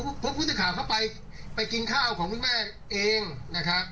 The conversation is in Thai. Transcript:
เพราะผู้สื่อข่าวเข้าไปไปกินข้าวของคุณแม่เองนะครับ